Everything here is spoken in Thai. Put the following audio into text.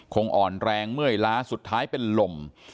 คงอ่อนแรงเมื่อยล้าสุดท้ายเป็นลม